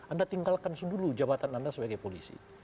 anda tinggalkan dulu jabatan anda sebagai polisi